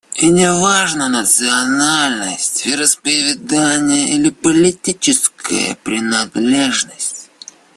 И не важны национальность, вероисповедание или политическая принадлежность.